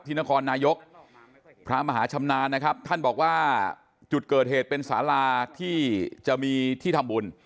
นครนายกพระมหาชำนาญนะครับท่านบอกว่าจุดเกิดเหตุเป็นสาราที่จะมีที่ทำบุญ